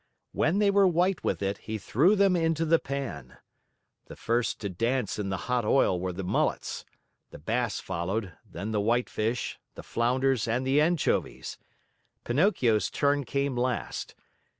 When they were white with it, he threw them into the pan. The first to dance in the hot oil were the mullets, the bass followed, then the whitefish, the flounders, and the anchovies. Pinocchio's turn came last.